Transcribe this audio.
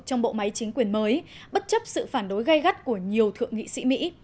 trong bộ máy chính quyền mới bất chấp sự phản đối gây gắt của nhiều thượng nghị sĩ mỹ